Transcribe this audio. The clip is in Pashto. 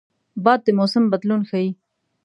باد د موسم بدلون ښيي